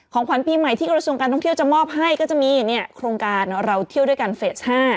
ขวัญปีใหม่ที่กระทรวงการท่องเที่ยวจะมอบให้ก็จะมีโครงการเราเที่ยวด้วยกันเฟส๕